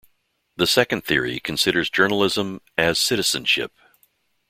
The second theory considers journalism "as" citizenship.